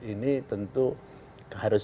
ini tentu harus